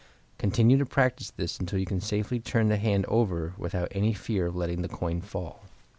Continue to practice this until you can safely turn the hand over without any fear of letting the coin fall.